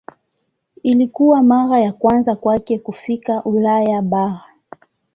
Ilikuwa mara ya kwanza kwake kufika Ulaya bara.